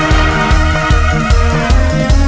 สวัสดีค่ะ